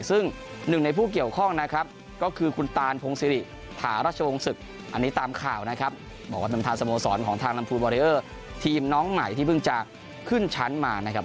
ซึ่งหนึ่งในผู้เกี่ยวข้องนะครับก็คือคุณตานพงศิริถาราชวงศ์ศึกอันนี้ตามข่าวนะครับบอกว่าเป็นทางสโมสรของทางลำพูนบอเรอร์ทีมน้องใหม่ที่เพิ่งจะขึ้นชั้นมานะครับ